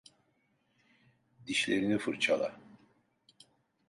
Dişlerini fırçala.